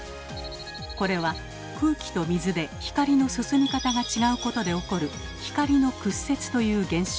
これは空気と水で光の進み方が違うことで起こる「光の屈折」という現象。